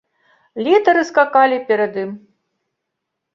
Літары скакалі перад ім.